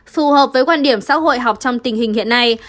phù hợp với quan điểm xã hội học trong tình hình hiện nay